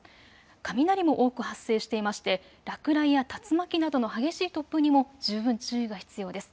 雷も多く発生していまして落雷や竜巻などの激しい突風にも十分注意が必要です。